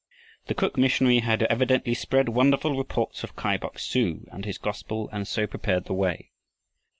The cook missionary had evidently spread wonderful reports of Kai Bok su and his gospel and so prepared the way.